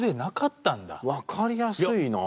分かりやすいなぁ。